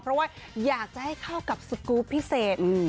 เพราะว่าอยากจะให้เข้ากับสกรูปพิเศษ